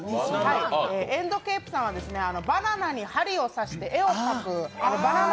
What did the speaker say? エンドケイプさんはバナナに針を刺して絵を描くバナナ